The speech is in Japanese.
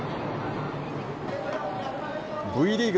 Ｖリーグ